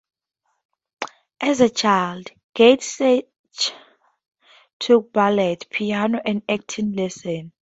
As a child, Gatschet took ballet, piano, and acting lessons.